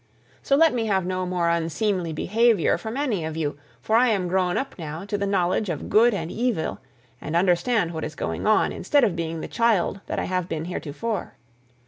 So let me have no more unseemly behaviour from any of you, for I am grown up now to the knowledge of good and evil and understand what is going on, instead of being the child that I have been heretofore.